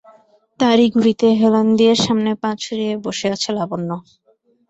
তারই গুঁড়িতে হেলান দিয়ে সামনে পা ছড়িয়ে বসে আছে লাবণ্য।